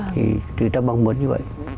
thì tự ta mong muốn như vậy